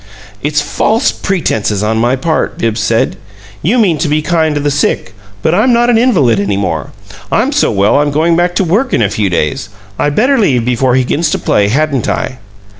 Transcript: "It's false pretenses on my part," Bibbs said. "You mean to be kind to the sick, but I'm not an invalid any more. I'm so well I'm going back to work in a few days. I'd better leave before he begins to play, hadn't I?"